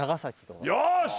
よし！